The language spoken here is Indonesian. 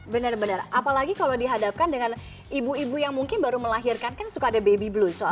benar benar apalagi kalau dihadapkan dengan ibu ibu yang mungkin baru melahirkan kan suka ada baby blues